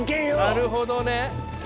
なるほどね。